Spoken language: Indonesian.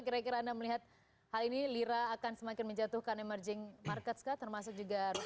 kira kira anda melihat hal ini lira akan semakin menjatuhkan emerging markets kah termasuk juga rupiah